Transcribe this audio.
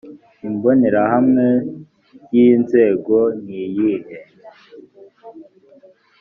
imbonerahamwe y inzego niyihe